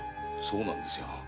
そうなんですよ。